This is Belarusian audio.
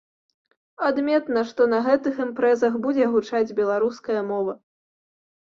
Адметна, што на гэтых імпрэзах будзе гучаць беларуская мова.